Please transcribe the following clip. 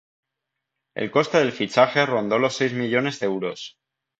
El coste del fichaje rondó los seis millones de euros.